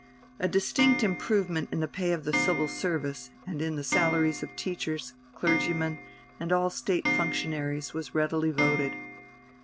A distinct improvement in the pay of the Civil Service, and in the salaries of teachers, clergymen, and all State functionaries was readily voted.